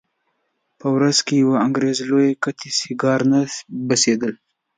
په ورځ کې یوه انګریزي لویه قطي سیګار نه بسېدل.